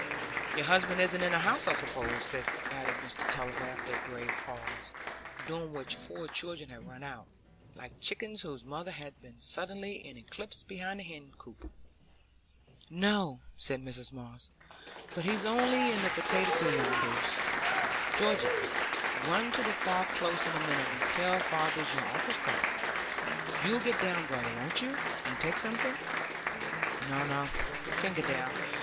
"Your husband isn't in the house, I suppose?" added Mr Tulliver after a grave pause, during which four children had run out, like chickens whose mother has been suddenly in eclipse behind the hen coop. "No," said Mrs Moss, "but he's only in the potato field yonders. Georgy, run to the Far Close in a minute, and tell father your uncle's come. You'll get down, brother, won't you, and take something?" "No, no; I can't get down.